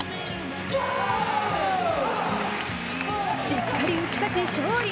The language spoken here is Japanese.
しっかり打ち勝ち、勝利。